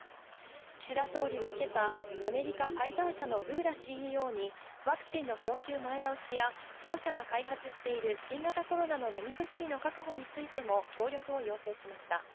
岸田総理はけさ、アメリカ、ファイザー社のブーラＣＥＯに、ワクチンの供給前倒しや、同社が開発している新型コロナの飲み薬の確保についても、協力を要請しました。